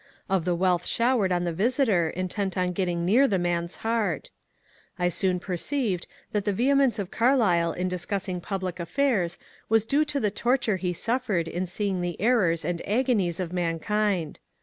of the wealth showered on the visitor intent on getting near the man's heart ! I soon perceived that the vehemence of Carlyle in discussing public affairs was due to the torture he suffered in seeing the errors and agonies of mankind.